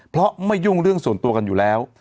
เพราะไม่ยุ่งเรื่องส่วนตัวกันอยู่แล้ว